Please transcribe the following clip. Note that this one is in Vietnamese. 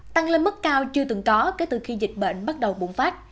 tăng lên mức cao chưa từng có kể từ khi dịch bệnh bắt đầu bùng phát